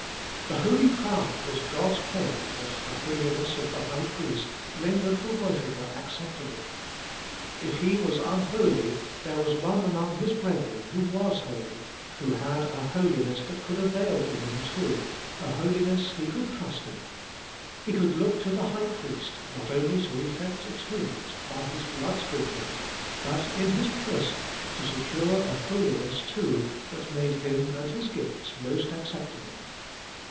The holy crown was God's pledge that the holiness of the high priest rendered the worshipper acceptable. If he was un holy, there was one among his brethren who was holy, who had a holiness that could avail for him too, a holiness he could trust in. He could look to the high priest not only to effect atonement by his blood sprinkling, but in his person to secure a holi ness too that made him and his gifts most accept able.